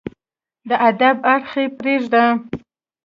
د ادب اړخ يې پرېږده